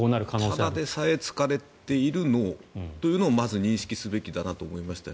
ただでさえ疲れている脳というのをまず認識すべきだなと思いました。